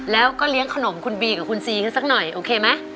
แล้วก็เลี้ยงขนมคุณบีกับคุณซีกันสักหน่อยโอเคไหม